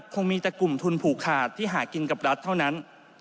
คงมีแต่กลุ่มทุนผูกขาดที่หากินกับรัฐเท่านั้น